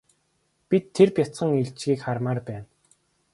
Бид тэр бяцхан илжгийг хармаар байна.